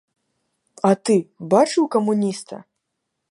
А ты бачыў камуніста?